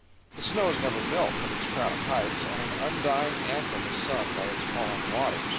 The snows never melt from its crowning heights, and an undying anthem is sung by its falling waters.